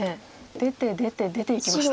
出て出て出ていきました。